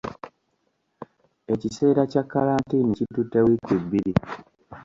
Ekisera kya kkalantiini kitutte wiiki bbiri .